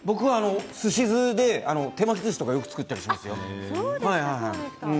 すし酢で手巻きずしとかよく作ったりします。